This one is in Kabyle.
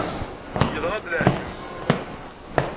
Yeḍra-d leεǧeb!